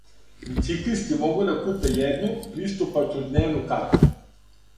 Бициклисти могу да купе једну, приступачну дневну карту.